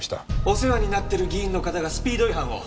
お世話になっている議員の方がスピード違反を。